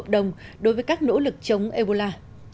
đồng đối với các nỗ lực chống ebola